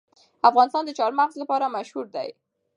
افغانستان د چار مغز لپاره مشهور دی.